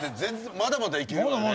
まだまだいけるわよ。